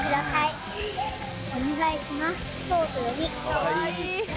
「かわいい！」